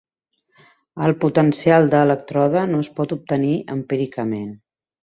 El potencial de elèctrode no es pot obtenir empíricament.